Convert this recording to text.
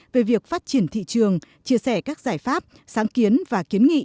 về việc phát triển thị trường chia sẻ các giải pháp sáng kiến và kiến nghị